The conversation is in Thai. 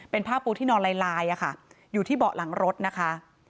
เป็นผ้าปูที่นอนลายอยู่ที่เบาะหลังรถนะคะ